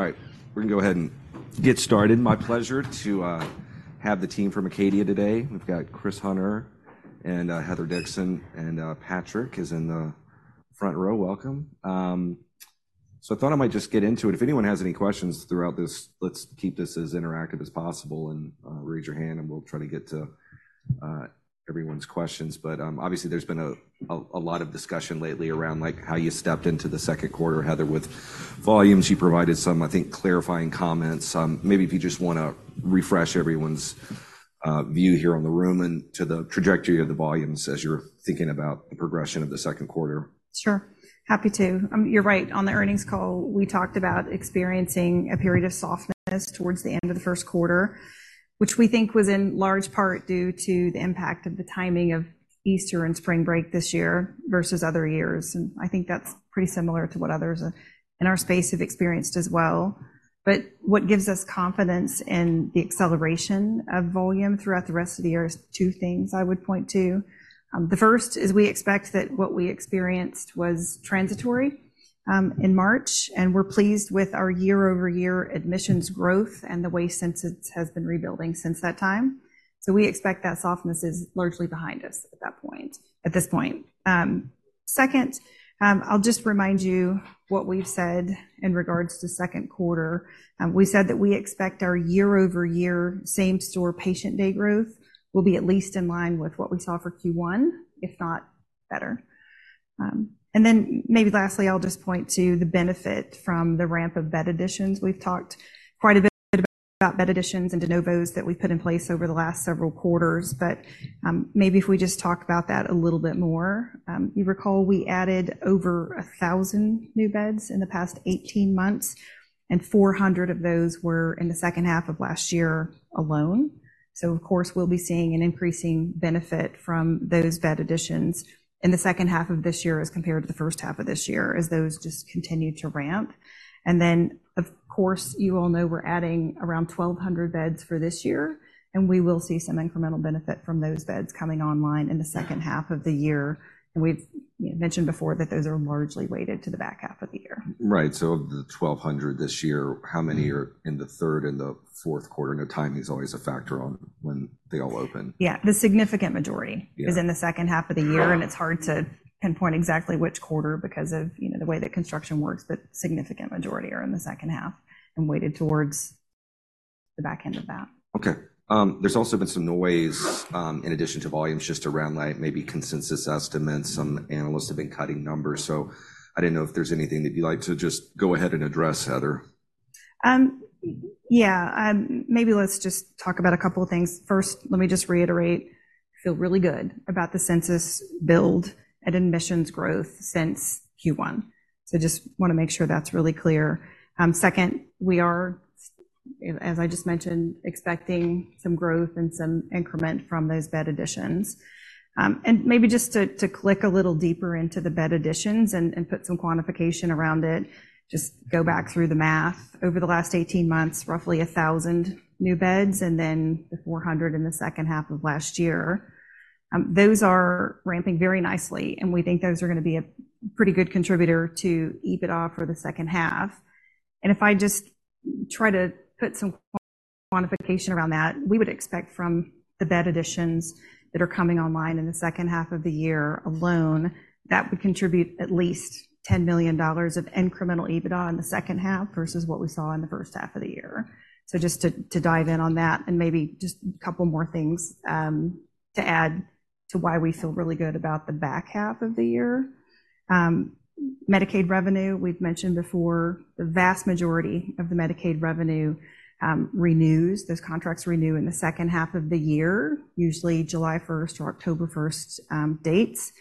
All right, we're gonna go ahead and get started. My pleasure to have the team from Acadia today. We've got Chris Hunter and Heather Dixon, and Patrick is in the front row. Welcome. So I thought I might just get into it. If anyone has any questions throughout this, let's keep this as interactive as possible and raise your hand, and we'll try to get to everyone's questions. But obviously, there's been a lot of discussion lately around, like, how you stepped into the second quarter, Heather, with volumes. You provided some, I think, clarifying comments. Maybe if you just wanna refresh everyone's view here on the room and to the trajectory of the volumes as you're thinking about the progression of the second quarter. Sure. Happy to. You're right. On the earnings call, we talked about experiencing a period of softness towards the end of the first quarter, which we think was in large part due to the impact of the timing of Easter and spring break this year versus other years, and I think that's pretty similar to what others in our space have experienced as well. But what gives us confidence in the acceleration of volume throughout the rest of the year is two things I would point to. The first is we expect that what we experienced was transitory in March, and we're pleased with our year-over-year admissions growth and the way since it has been rebuilding since that time. So we expect that softness is largely behind us at that point, at this point. Second, I'll just remind you what we've said in regards to second quarter. We said that we expect our year-over-year, same-store patient day growth will be at least in line with what we saw for Q1, if not better. And then maybe lastly, I'll just point to the benefit from the ramp of bed additions. We've talked quite a bit about bed additions and de novos that we've put in place over the last several quarters, but maybe if we just talk about that a little bit more. You recall we added over 1,000 new beds in the past 18 months, and 400 of those were in the second half of last year alone. So of course, we'll be seeing an increasing benefit from those bed additions in the second half of this year as compared to the first half of this year, as those just continue to ramp. And then, of course, you all know we're adding around 1,200 beds for this year, and we will see some incremental benefit from those beds coming online in the second half of the year. We've mentioned before that those are largely weighted to the back half of the year. Right. So of the 1,200 this year, how many are in the third and the fourth quarter? I know timing is always a factor on when they all open. Yeah. The significant majority- Yeah... is in the second half of the year- Sure... and it's hard to pinpoint exactly which quarter because of, you know, the way that construction works, but significant majority are in the second half and weighted towards the back end of that. Okay. There's also been some noise, in addition to volumes, just around, like, maybe consensus estimates. Some analysts have been cutting numbers, so I didn't know if there's anything that you'd like to just go ahead and address, Heather. Yeah. Maybe let's just talk about a couple of things. First, let me just reiterate, feel really good about the census build and admissions growth since Q1. So just wanna make sure that's really clear. Second, we are, as I just mentioned, expecting some growth and some increment from those bed additions. And maybe just to click a little deeper into the bed additions and put some quantification around it, just go back through the math. Over the last 18 months, roughly 1,000 new beds and then 400 in the second half of last year. Those are ramping very nicely, and we think those are gonna be a pretty good contributor to EBITDA for the second half. If I just try to put some quantification around that, we would expect from the bed additions that are coming online in the second half of the year alone, that would contribute at least $10 million of incremental EBITDA in the second half versus what we saw in the first half of the year. So just to dive in on that and maybe just a couple more things to add to why we feel really good about the back half of the year. Medicaid revenue, we've mentioned before, the vast majority of the Medicaid revenue renews. Those contracts renew in the second half of the year, usually July first or October first dates.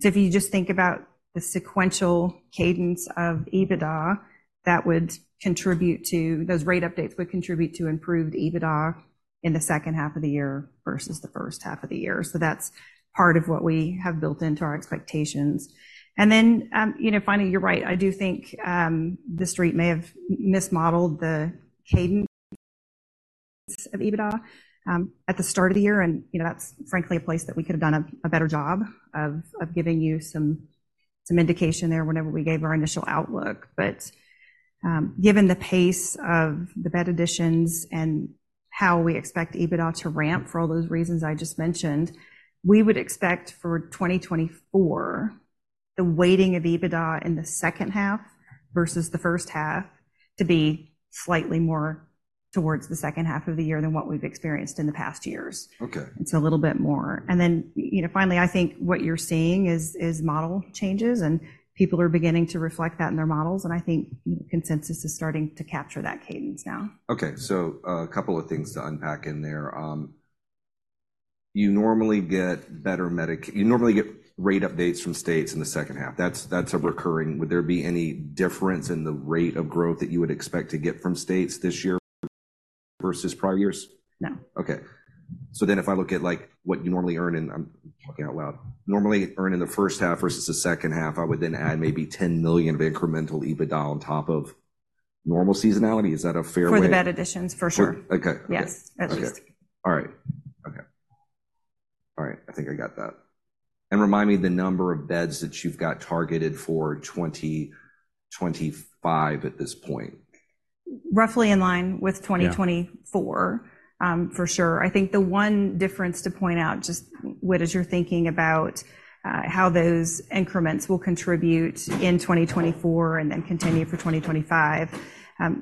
So if you just think about the sequential cadence of EBITDA, that would contribute to... Those rate updates would contribute to improved EBITDA in the second half of the year versus the first half of the year. So that's part of what we have built into our expectations. And then, you know, finally, you're right, I do think, the street may have mismodeled the cadence of EBITDA, at the start of the year, and, you know, that's frankly a place that we could have done a better job of giving you some indication there whenever we gave our initial outlook. But, given the pace of the bed additions and how we expect EBITDA to ramp for all those reasons I just mentioned, we would expect for 2024, the weighting of EBITDA in the second half versus the first half to be slightly more towards the second half of the year than what we've experienced in the past years. Okay. It's a little bit more. And then, you know, finally, I think what you're seeing is model changes, and people are beginning to reflect that in their models, and I think consensus is starting to capture that cadence now. Okay, so a couple of things to unpack in there. You normally get rate updates from states in the second half. That's, that's a recurring. Would there be any difference in the rate of growth that you would expect to get from states this year versus prior years? No. Okay. So then if I look at, like, what you normally earn in, I'm talking out loud, normally earn in the first half versus the second half, I would then add maybe $10 million of incremental EBITDA on top of normal seasonality. Is that a fair way- For the bed additions, for sure. Okay. Yes. Okay. At least. All right. All right, I think I got that. Remind me the number of beds that you've got targeted for 2025 at this point. Roughly in line with 2024. Yeah. For sure. I think the one difference to point out, just, Whit, as you're thinking about, how those increments will contribute in 2024 and then continue for 2025,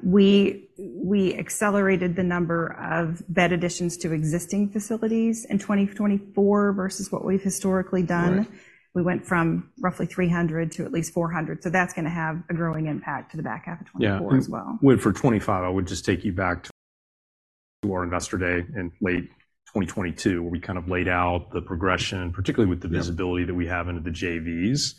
we accelerated the number of bed additions to existing facilities in 2024 versus what we've historically done. Right. We went from roughly 300 to at least 400, so that's gonna have a growing impact to the back half of 2024 as well. Yeah. Whit, for 2025, I would just take you back to our Investor Day in late 2022, where we kind of laid out the progression, particularly with the- Yeah... visibility that we have into the JVs.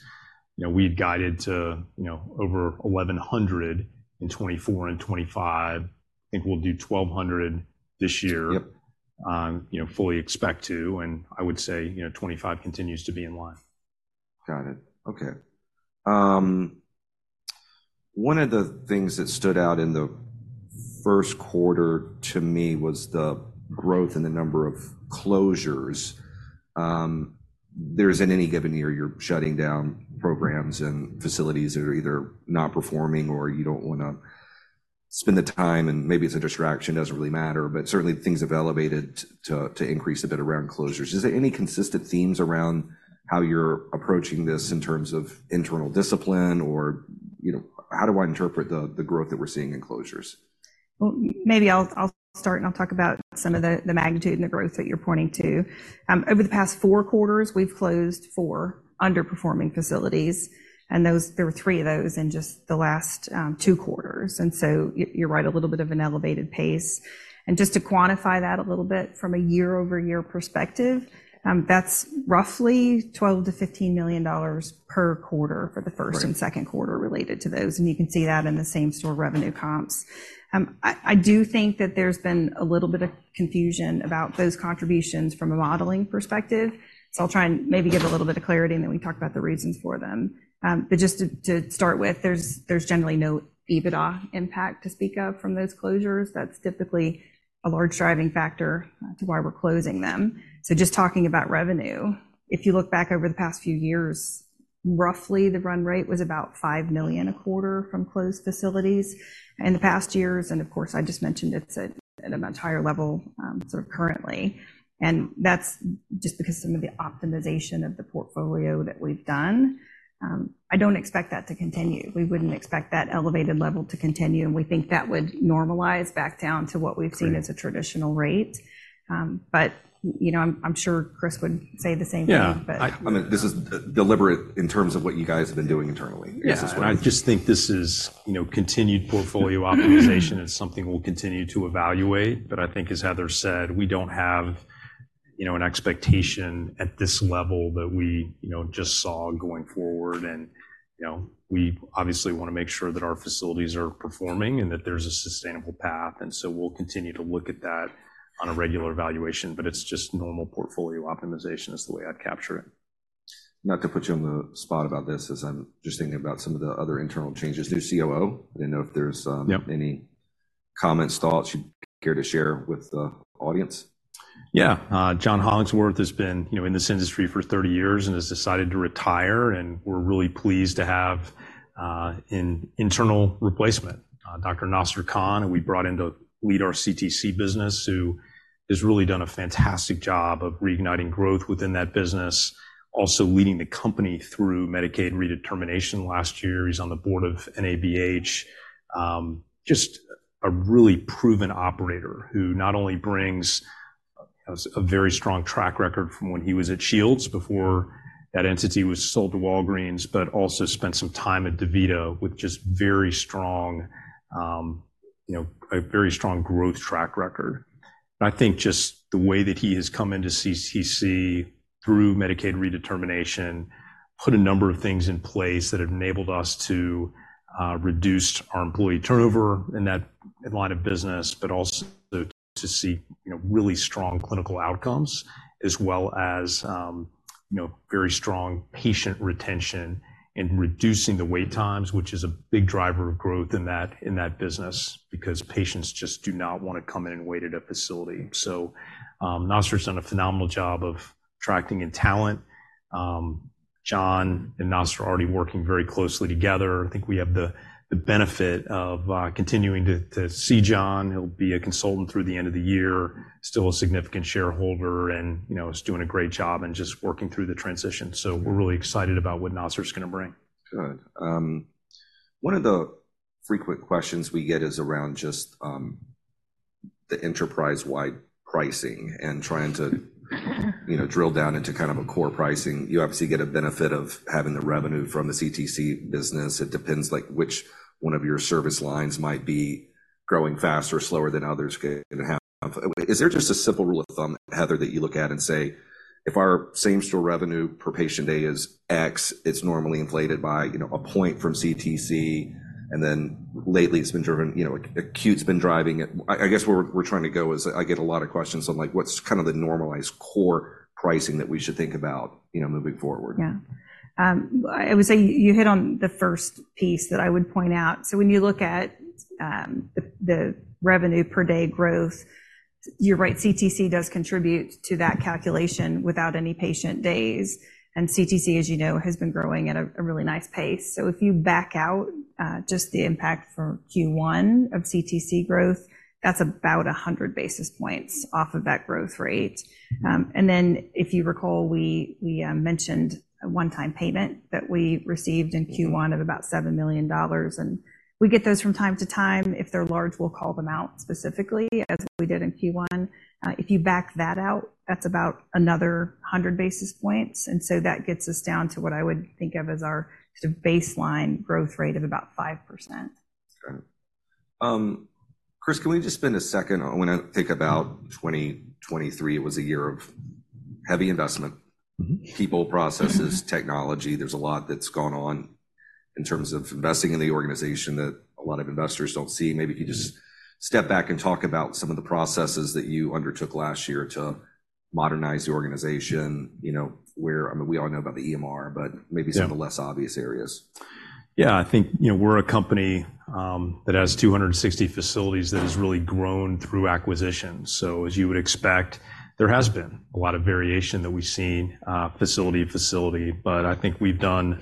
You know, we've guided to, you know, over $1,100 in 2024 and 2025. I think we'll do $1,200 this year. Yep. You know, fully expect to, and I would say, you know, 2025 continues to be in line. Got it. Okay. One of the things that stood out in the first quarter to me was the growth in the number of closures. In any given year, you're shutting down programs and facilities that are either not performing or you don't wanna spend the time, and maybe it's a distraction, doesn't really matter, but certainly things have elevated to increase a bit around closures. Is there any consistent themes around how you're approaching this in terms of internal discipline, or, you know, how do I interpret the growth that we're seeing in closures? Well, maybe I'll start, and I'll talk about some of the magnitude and the growth that you're pointing to. Over the past four quarters, we've closed four underperforming facilities, and those, there were three of those in just the last two quarters, and so you're right, a little bit of an elevated pace. And just to quantify that a little bit from a year-over-year perspective, that's roughly $12 million-$15 million per quarter for the first- Right... and second quarter related to those, and you can see that in the same-store revenue comps. I do think that there's been a little bit of confusion about those contributions from a modeling perspective, so I'll try and maybe give a little bit of clarity, and then we talk about the reasons for them. But just to start with, there's generally no EBITDA impact to speak of from those closures. That's typically a large driving factor to why we're closing them. So just talking about revenue, if you look back over the past few years, roughly the run rate was about $5 million a quarter from closed facilities. In the past years, and of course, I just mentioned it, it's at a much higher level, sort of currently, and that's just because some of the optimization of the portfolio that we've done. I don't expect that to continue. We wouldn't expect that elevated level to continue, and we think that would normalize back down to what we've seen- Great... as a traditional rate. But, you know, I'm sure Chris would say the same thing. Yeah. Yeah, I mean, this is deliberate in terms of what you guys have been doing internally. Yeah. This is what- I just think this is, you know, continued portfolio optimization. It's something we'll continue to evaluate, but I think as Heather said, we don't have, you know, an expectation at this level that we, you know, just saw going forward. And, you know, we obviously wanna make sure that our facilities are performing and that there's a sustainable path, and so we'll continue to look at that on a regular evaluation, but it's just normal portfolio optimization, is the way I'd capture it. Not to put you on the spot about this, as I'm just thinking about some of the other internal changes. New COO, I didn't know if there's, Yep... any comments, thoughts you'd care to share with the audience? Yeah. John Hollingsworth has been, you know, in this industry for 30 years and has decided to retire, and we're really pleased to have an internal replacement, Dr. Nasser Khan, who we brought in to lead our CTC business, who has really done a fantastic job of reigniting growth within that business, also leading the company through Medicaid redetermination last year. He's on the Board of NABH. Just a really proven operator, who not only brings a very strong track record from when he was at Shields before that entity was sold to Walgreens, but also spent some time at DaVita with just very strong, you know, a very strong growth track record. And I think just the way that he has come into CTC through Medicaid redetermination, put a number of things in place that have enabled us to reduce our employee turnover in that line of business, but also to see, you know, really strong clinical outcomes, as well as, you know, very strong patient retention and reducing the wait times, which is a big driver of growth in that business because patients just do not want to come in and wait at a facility. So, Nasser's done a phenomenal job of attracting in talent. John and Nasser are already working very closely together. I think we have the benefit of continuing to see John. He'll be a consultant through the end of the year, still a significant shareholder, and, you know, is doing a great job and just working through the transition. So we're really excited about what Nasser is gonna bring. Good. One of the frequent questions we get is around just, the enterprise-wide pricing and trying to—you know, drill down into kind of a core pricing. You obviously get a benefit of having the revenue from the CTC business. It depends, like, which one of your service lines might be growing faster or slower than others can have. Is there just a simple rule of thumb, Heather, that you look at and say, "If our same-store revenue per patient day is X, it's normally inflated by, you know, a point from CTC?"... And then lately, it's been driven, you know, acute's been driving it. I guess where we're trying to go is I get a lot of questions on, like, what's kind of the normalized core pricing that we should think about, you know, moving forward? Yeah. I would say you hit on the first piece that I would point out. So when you look at the revenue per day growth, you're right, CTC does contribute to that calculation without any patient days, and CTC, as you know, has been growing at a really nice pace. So if you back out just the impact for Q1 of CTC growth, that's about 100 basis points off of that growth rate. And then if you recall, we mentioned a one-time payment that we received in Q1 of about $7 million, and we get those from time to time. If they're large, we'll call them out specifically, as we did in Q1. If you back that out, that's about another 100 basis points, and so that gets us down to what I would think of as our sort of baseline growth rate of about 5%. Okay. Chris, can we just spend a second? I wanna think about 2023. It was a year of heavy investment- Mm-hmm. People, processes, technology. There's a lot that's gone on in terms of investing in the organization that a lot of investors don't see. Maybe if you just- Mm... step back and talk about some of the processes that you undertook last year to modernize the organization, you know, where, I mean, we all know about the EMR, but maybe- Yeah some of the less obvious areas. Yeah, I think, you know, we're a company that has 260 facilities that has really grown through acquisitions. So as you would expect, there has been a lot of variation that we've seen facility to facility. But I think we've done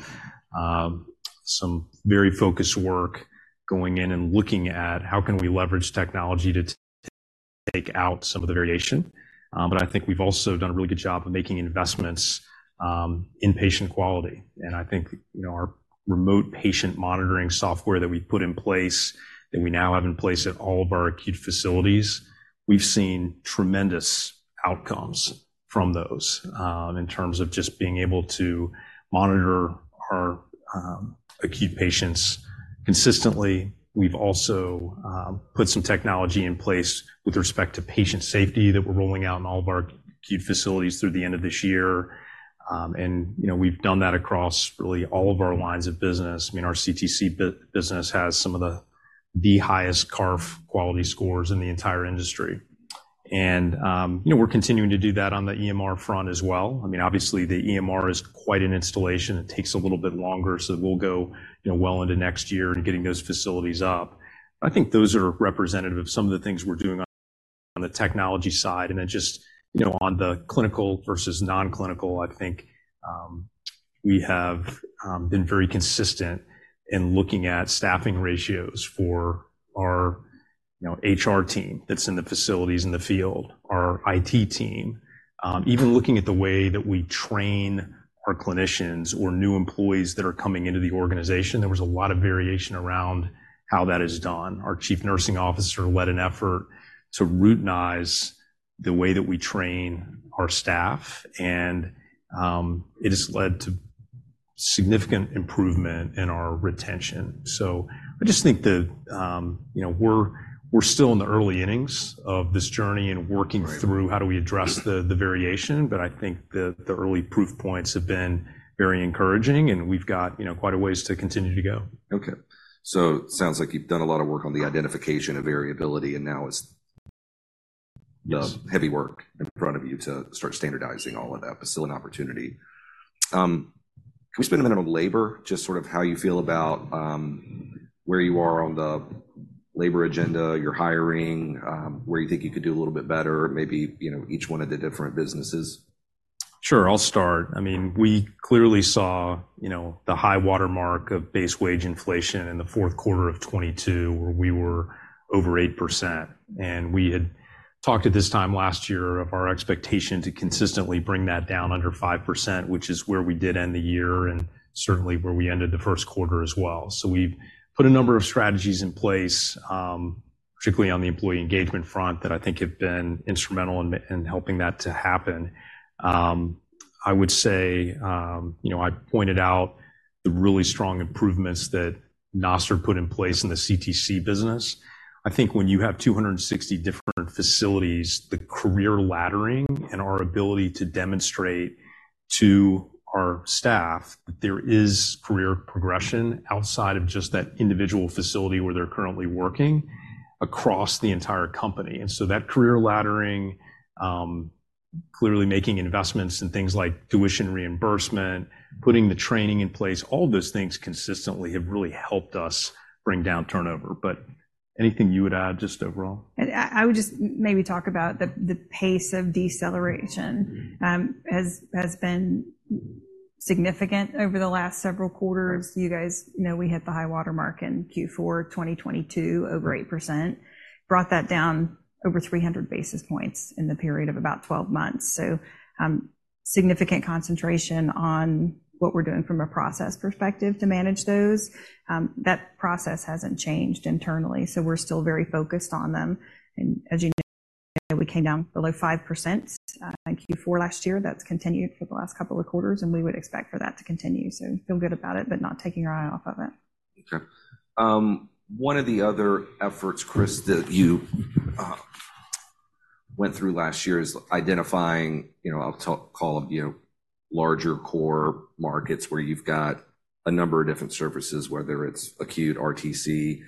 some very focused work going in and looking at: How can we leverage technology to take out some of the variation? But I think we've also done a really good job of making investments in patient quality, and I think, you know, our remote patient monitoring software that we put in place, that we now have in place at all of our acute facilities, we've seen tremendous outcomes from those in terms of just being able to monitor our acute patients consistently. We've also put some technology in place with respect to patient safety that we're rolling out in all of our acute facilities through the end of this year. And, you know, we've done that across really all of our lines of business. I mean, our CTC business has some of the highest CARF quality scores in the entire industry. And, you know, we're continuing to do that on the EMR front as well. I mean, obviously, the EMR is quite an installation. It takes a little bit longer, so it will go, you know, well into next year in getting those facilities up. I think those are representative of some of the things we're doing on the technology side, and then just, you know, on the clinical versus non-clinical, I think, we have been very consistent in looking at staffing ratios for our, you know, HR team that's in the facilities in the field, our IT team. Even looking at the way that we train our clinicians or new employees that are coming into the organization, there was a lot of variation around how that is done. Our Chief Nursing Officer led an effort to routinize the way that we train our staff, and it has led to significant improvement in our retention. So I just think that, you know, we're, we're still in the early innings of this journey and working- Right... through how do we address the variation, but I think the early proof points have been very encouraging, and we've got, you know, quite a ways to continue to go. Okay. So sounds like you've done a lot of work on the identification of variability, and now it's the- Yes... heavy work in front of you to start standardizing all of that, but still an opportunity. Can we spend a minute on labor, just sort of how you feel about, where you are on the labor agenda, your hiring, where you think you could do a little bit better, maybe, you know, each one of the different businesses? Sure, I'll start. I mean, we clearly saw, you know, the high-water mark of base wage inflation in the fourth quarter of 2022, where we were over 8%, and we had talked at this time last year of our expectation to consistently bring that down under 5%, which is where we did end the year and certainly where we ended the first quarter as well. So we've put a number of strategies in place, particularly on the employee engagement front, that I think have been instrumental in helping that to happen. I would say, you know, I pointed out the really strong improvements that Nasser put in place in the CTC business. I think when you have 260 different facilities, the career laddering and our ability to demonstrate to our staff that there is career progression outside of just that individual facility where they're currently working across the entire company. And so that career laddering, clearly making investments in things like tuition reimbursement, putting the training in place, all those things consistently have really helped us bring down turnover. But anything you would add just overall? I would just maybe talk about the pace of deceleration- Mm-hmm... has been significant over the last several quarters. You guys know we hit the high-water mark in Q4 2022, over 8%. Brought that down over 300 basis points in the period of about 12 months. So, significant concentration on what we're doing from a process perspective to manage those. That process hasn't changed internally, so we're still very focused on them, and as you know, we came down below 5% in Q4 last year. That's continued for the last couple of quarters, and we would expect for that to continue. So feel good about it, but not taking our eye off of it. Okay. One of the other efforts, Chris, that you went through last year is identifying, you know, larger core markets where you've got a number of different services, whether it's acute RTC-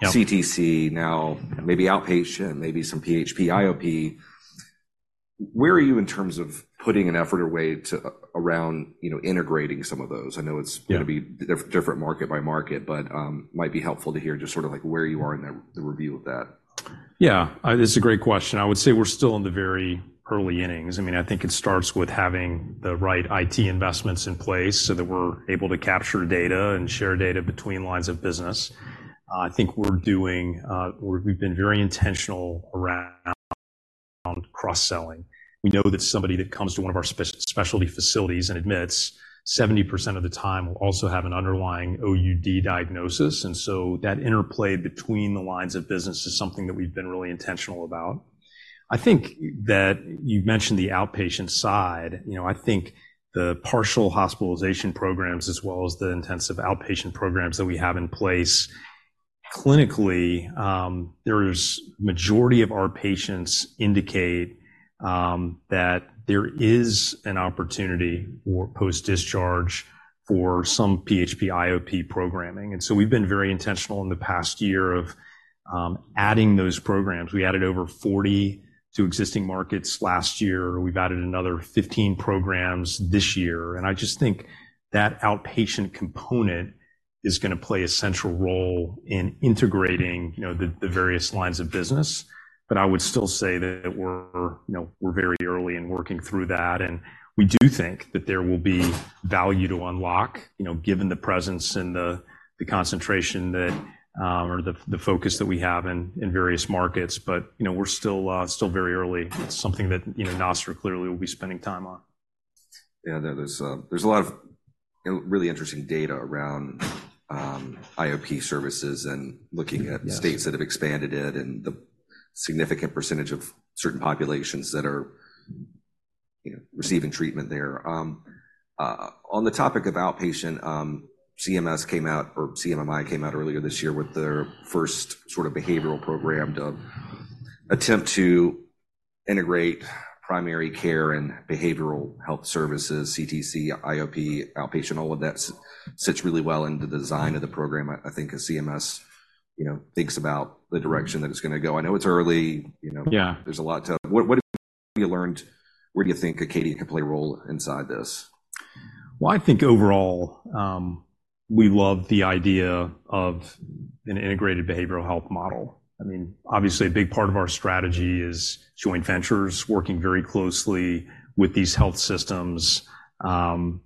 Yeah. CTC, now maybe outpatient, maybe some PHP, IOP. Where are you in terms of putting an effort away to, around, you know, integrating some of those? I know it's- Yeah Gonna be different market by market, but might be helpful to hear just sort of like where you are in the review of that. Yeah, it's a great question. I would say we're still in the very early innings. I mean, I think it starts with having the right IT investments in place so that we're able to capture data and share data between lines of business. I think we're doing. We've been very intentional around cross-selling. We know that somebody that comes to one of our specialty facilities and admits, 70% of the time will also have an underlying OUD diagnosis, and so that interplay between the lines of business is something that we've been really intentional about. I think that you mentioned the outpatient side. You know, I think the partial hospitalization programs, as well as the intensive outpatient programs that we have in place, clinically, there's majority of our patients indicate that there is an opportunity for post-discharge for some PHP/IOP programming. And so we've been very intentional in the past year of adding those programs. We added over 40 to existing markets last year. We've added another 15 programs this year, and I just think that outpatient component is gonna play a central role in integrating, you know, the, the various lines of business. But I would still say that we're, you know, we're very early in working through that, and we do think that there will be value to unlock, you know, given the presence and the, the concentration that or the, the focus that we have in, in various markets. But, you know, we're still still very early. It's something that, you know, Nasser clearly will be spending time on. Yeah, there's a lot of really interesting data around IOP services and looking at- Yes states that have expanded it and the significant percentage of certain populations that are, you know, receiving treatment there. On the topic of outpatient, CMS came out, or CMMI came out earlier this year with their first sort of behavioral program to attempt to integrate primary care and behavioral health services, CTC, IOP, outpatient, all of that sits really well in the design of the program. I think as CMS, you know, thinks about the direction that it's gonna go. I know it's early, you know? Yeah. There's a lot to... What, what have you learned? Where do you think Acadia can play a role inside this? Well, I think overall, we love the idea of an integrated behavioral health model. I mean, obviously, a big part of our strategy is joint ventures, working very closely with these health systems, and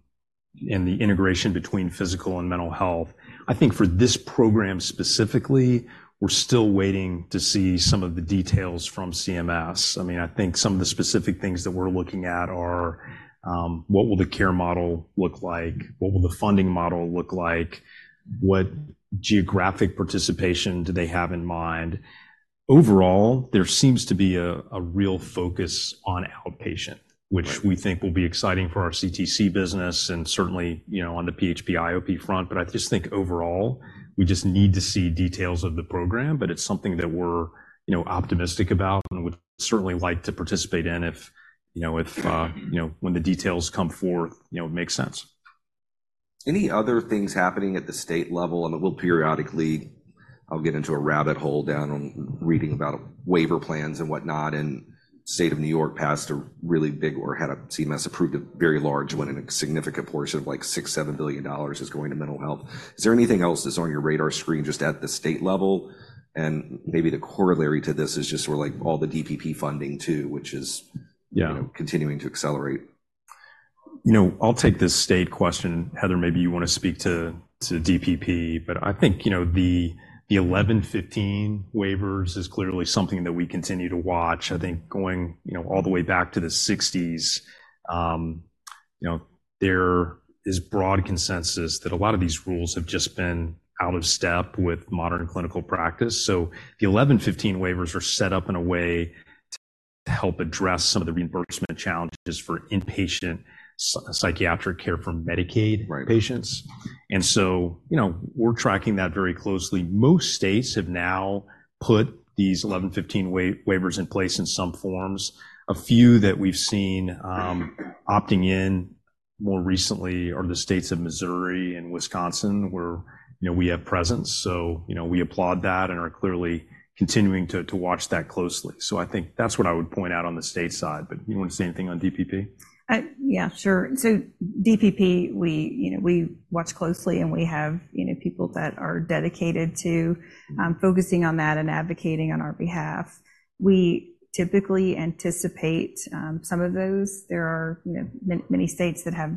the integration between physical and mental health. I think for this program specifically, we're still waiting to see some of the details from CMS. I mean, I think some of the specific things that we're looking at are: What will the care model look like? What will the funding model look like? What geographic participation do they have in mind? Overall, there seems to be a real focus on outpatient- Right... which we think will be exciting for our CTC business and certainly, you know, on the PHP/IOP front. But I just think overall, we just need to see details of the program, but it's something that we're, you know, optimistic about and would certainly like to participate in if, you know, if, you know, when the details come forth, you know, it makes sense. Any other things happening at the state level? And we'll periodically, I'll get into a rabbit hole down on reading about waiver plans and whatnot, and State of New York passed a really big or had a—CMS approved a very large one, and a significant portion of, like, $6 billion-$7 billion is going to mental health. Is there anything else that's on your radar screen, just at the state level? And maybe the corollary to this is just sort of like all the DPP funding, too, which is- Yeah... you know, continuing to accelerate. You know, I'll take this state question. Heather, maybe you want to speak to, to DPP, but I think, you know, the 1115 waivers is clearly something that we continue to watch. I think going, you know, all the way back to the 1960s, you know, there is broad consensus that a lot of these rules have just been out of step with modern clinical practice. So the 1115 waivers are set up in a way to help address some of the reimbursement challenges for inpatient psychiatric care for Medicaid- Right... patients. So, you know, we're tracking that very closely. Most states have now put these 1115 waivers in place in some forms. A few that we've seen opting in more recently are the states of Missouri and Wisconsin, where, you know, we have presence. So, you know, we applaud that and are clearly continuing to watch that closely. So I think that's what I would point out on the state side, but you want to say anything on DPP? Yeah, sure. So DPP, we, you know, we watch closely, and we have, you know, people that are dedicated to focusing on that and advocating on our behalf. We typically anticipate some of those. There are, you know, many, many states that have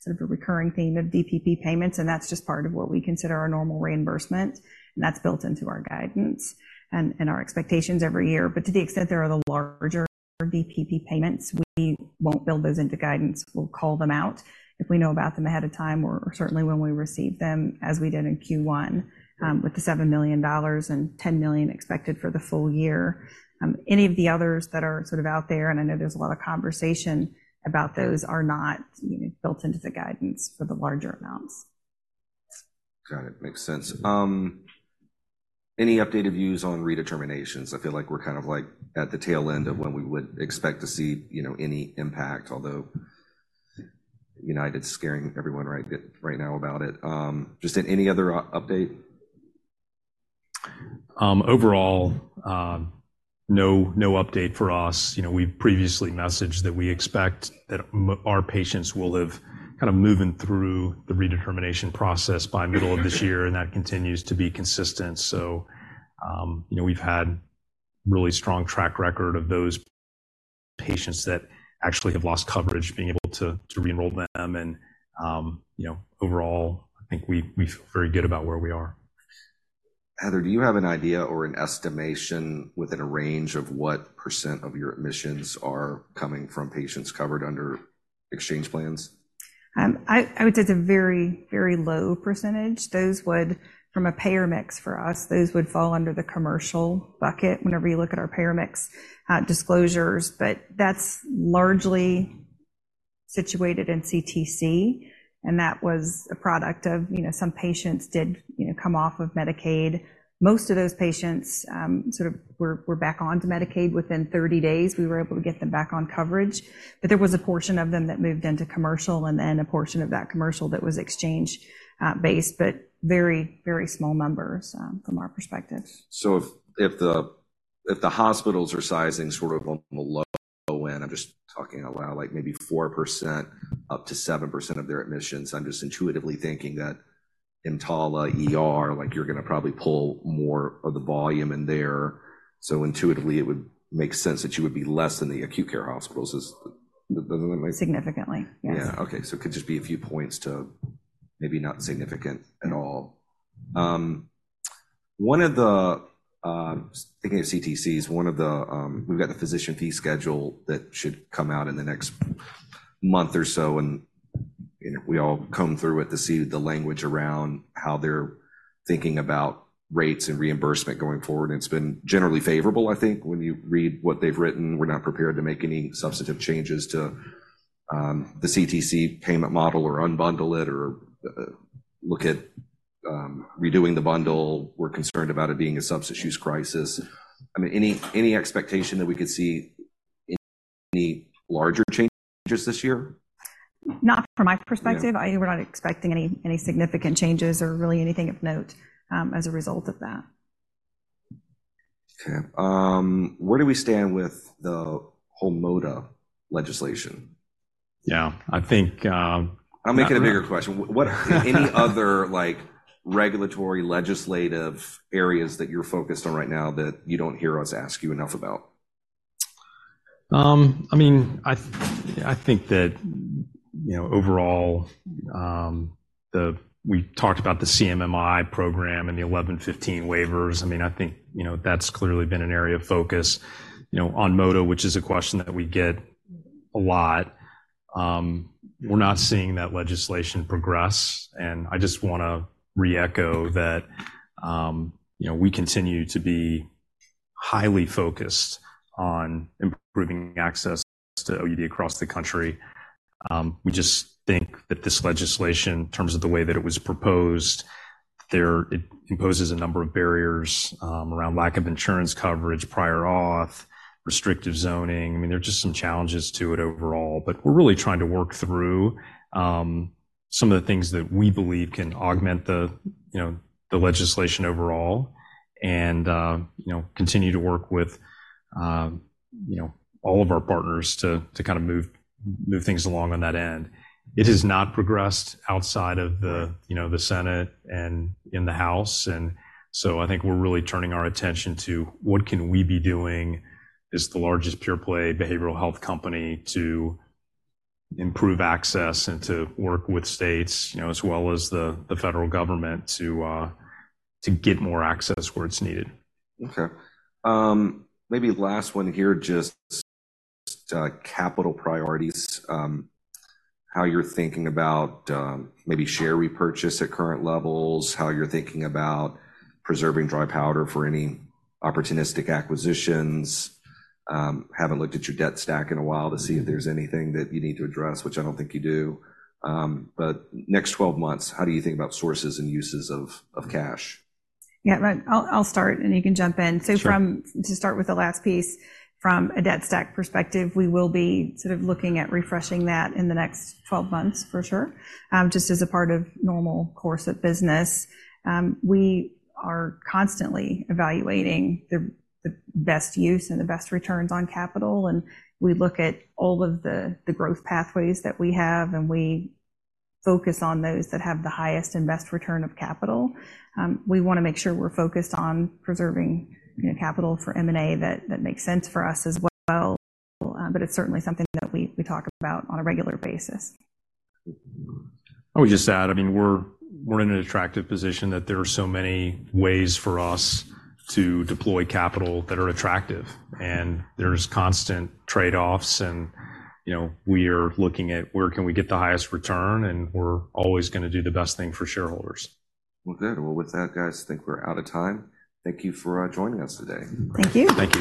sort of a recurring theme of DPP payments, and that's just part of what we consider our normal reimbursement, and that's built into our guidance and, and our expectations every year. But to the extent there are the larger DPP payments, we won't build those into guidance. We'll call them out if we know about them ahead of time or, or certainly when we receive them, as we did in Q1 with the $7 million and $10 million expected for the full year. Any of the others that are sort of out there, and I know there's a lot of conversation about those, are not, you know, built into the guidance for the larger amounts. Got it. Makes sense. Any updated views on redeterminations? I feel like we're kind of, like, at the tail end of when we would expect to see, you know, any impact, although United's scaring everyone right, right now about it. Just any other update? Overall, no, no update for us. You know, we've previously messaged that we expect that our patients will have kind of moving through the redetermination process by middle of this year, and that continues to be consistent. So, you know, we've had really strong track record of those patients that actually have lost coverage, being able to re-enroll them, and, you know, overall, I think we feel very good about where we are. Heather, do you have an idea or an estimation within a range of what percentage of your admissions are coming from patients covered under exchange plans? I would say it's a very, very low percentage. Those would, from a payer mix for us, those would fall under the commercial bucket whenever you look at our payer mix, disclosures. But that's largely situated in CTC, and that was a product of, you know, some patients did, you know, come off of Medicaid. Most of those patients, sort of were back onto Medicaid within 30 days. We were able to get them back on coverage, but there was a portion of them that moved into commercial, and then a portion of that commercial that was exchange based, but very, very small numbers, from our perspective. So if the hospitals are sizing sort of on the low end, I'm just talking out loud, like maybe 4%-7% of their admissions, I'm just intuitively thinking that EMTALA ER, like, you're gonna probably pull more of the volume in there. So intuitively, it would make sense that you would be less than the acute care hospitals. Doesn't that make- Significantly, yes. Yeah. Okay, so it could just be a few points to maybe not significant at all. Thinking of CTCs, we've got the Physician Fee Schedule that should come out in the next month or so, and, you know, we all comb through it to see the language around how they're thinking about rates and reimbursement going forward, and it's been generally favorable, I think. When you read what they've written, we're not prepared to make any substantive changes to the CTC payment model or unbundle it or look at redoing the bundle. We're concerned about it being a substance use crisis. I mean, any expectation that we could see any larger changes this year? Not from my perspective. Yeah. We're not expecting any significant changes or really anything of note, as a result of that. Okay. Where do we stand with the whole MOTA legislation? Yeah, I think, I'll make it a bigger question. What are any other, like, regulatory, legislative areas that you're focused on right now that you don't hear us ask you enough about? I mean, I think that, you know, overall, the-- we talked about the CMMI program and the 1115 waivers. I mean, I think, you know, that's clearly been an area of focus. You know, on MOTA, which is a question that we get a lot, we're not seeing that legislation progress, and I just wanna re-echo that, you know, we continue to be highly focused on improving access to OUD across the country. We just think that this legislation, in terms of the way that it was proposed, there-- it imposes a number of barriers, around lack of insurance coverage, prior auth, restrictive zoning. I mean, there are just some challenges to it overall, but we're really trying to work through some of the things that we believe can augment the, you know, the legislation overall and, you know, continue to work with, you know, all of our partners to, to kind of move things along on that end. It has not progressed outside of the, you know, the Senate and in the House, and so I think we're really turning our attention to: What can we be doing as the largest pure-play behavioral health company to improve access and to work with states, you know, as well as the federal government, to get more access where it's needed? Okay. Maybe last one here, just capital priorities, how you're thinking about maybe share repurchase at current levels, how you're thinking about preserving dry powder for any opportunistic acquisitions. Haven't looked at your debt stack in a while to see if there's anything that you need to address, which I don't think you do. But next 12 months, how do you think about sources and uses of cash? Yeah, I'll start, and you can jump in. Sure. So to start with the last piece, from a debt stack perspective, we will be sort of looking at refreshing that in the next 12 months for sure, just as a part of normal course of business. We are constantly evaluating the best use and the best returns on capital, and we look at all of the growth pathways that we have, and we focus on those that have the highest and best return of capital. We wanna make sure we're focused on preserving, you know, capital for M&A that makes sense for us as well. But it's certainly something that we talk about on a regular basis. I would just add, I mean, we're in an attractive position that there are so many ways for us to deploy capital that are attractive, and there's constant trade-offs and, you know, we are looking at where can we get the highest return, and we're always gonna do the best thing for shareholders. Well, good. Well, with that, guys, I think we're out of time. Thank you for joining us today. Thank you. Thank you.